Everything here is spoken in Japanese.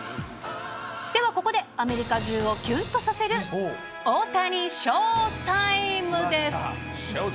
ではここでアメリカ中をキュンとさせる、大谷ショータイムです。